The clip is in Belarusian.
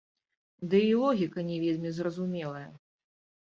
Ды і логіка не вельмі зразумелая.